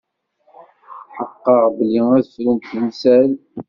Tḥeqqeɣ belli ad frunt temsal.